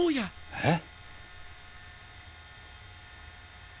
えっ！？